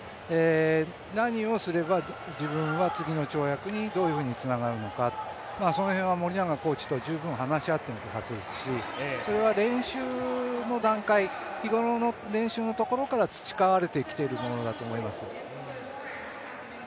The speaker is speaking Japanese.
何をすれば自分は次の跳躍にどういうふうにつながるのか、その辺は森長コーチと十分話し合っているはずですしそれは練習の段階、日頃の練習のところから培われてきてるものだと思います。